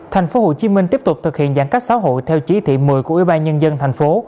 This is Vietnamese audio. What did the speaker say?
tp hcm tiếp tục thực hiện giãn cách sáu hội theo chí thị một mươi của ubnd tp